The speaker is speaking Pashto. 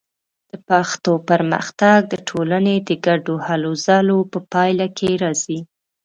د پښتو پرمختګ د ټولنې د ګډو هلو ځلو په پایله کې راځي.